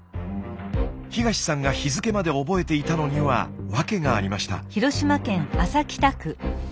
東さんが日付まで覚えていたのには訳がありました。